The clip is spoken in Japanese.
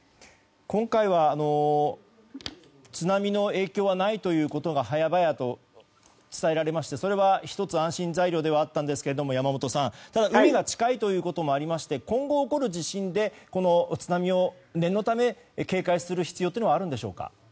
今回は、津波の影響はないということが早々と伝えられましてそれは１つ安心材料ではあったんですがただ、海が近いこともありまして今後起こる地震で津波を念のため警戒する必要というのはあるんでしょうか。